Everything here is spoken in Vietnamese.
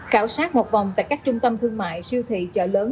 khảo sát một vòng tại các trung tâm thương mại siêu thị chợ lớn